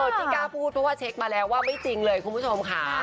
ที่กล้าพูดเพราะว่าเช็คมาแล้วว่าไม่จริงเลยคุณผู้ชมค่ะ